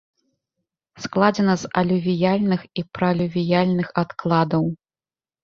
Складзена з алювіяльных і пралювіяльных адкладаў.